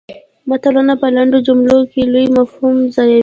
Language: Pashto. متلونه په لنډو جملو کې لوی مفاهیم ځایوي